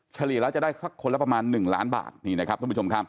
เฉลี่ยแล้วจะได้สักคนละประมาณ๑ล้านบาท